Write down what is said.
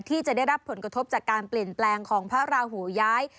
ที่จะได้รับผลกระทบจากการเปลี่ยนแปลงของพระราหูย้าย